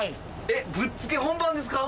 えっぶっつけ本番ですか？